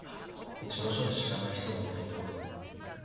うちの署で知らない人はいないと思う。